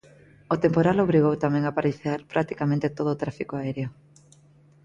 O temporal obrigou tamén a paralizar practicamente todo o tráfico aéreo.